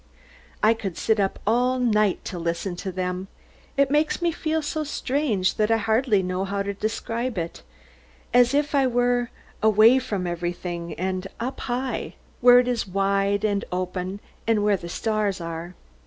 I could sit up all night to listen to them. It makes me feel so strange that I hardly know how to describe it, as if I were away off from everything, and high up, where it is wide and open, and where the stars are.